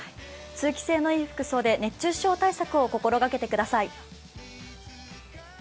通気性のいい服で熱中症対策を心がけてください。